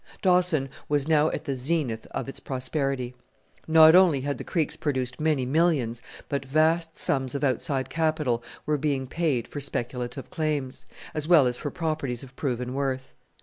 Dawson was now at the zenith of its prosperity. Not only had the creeks produced many millions, but vast sums of outside capital were being paid for speculative claims, as well as for properties of proven worth.